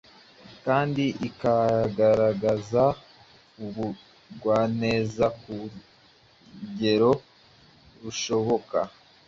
kandi ikagaragaza ubugwaneza ku rugero rushoboka.